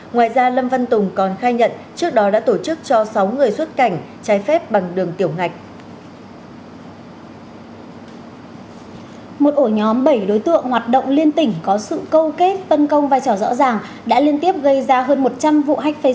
ngoài ra lâm văn tùng còn khai nhận trước đó đã tổ chức cho sáu người xuất cảnh trái phép bằng đường tiểu ngạch